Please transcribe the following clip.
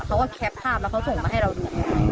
เขาก็แคปภาพแล้วเขาส่งมาให้เราดู